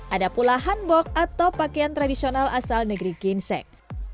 ada pula hanbok atau pakaian tradisional asal negeri ginseng